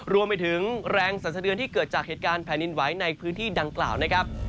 รวมไปถึงแรงสันสะเทือนที่เกิดจากเหตุการณ์แผ่นดินไหวในพื้นที่ดังกล่าวนะครับ